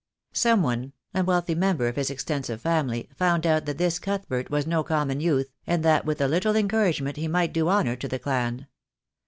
Some one, a wealthy member of his extensive family, found out that this Cuthbert was no common youth, and that with a little encouragement he might do honour to the clan.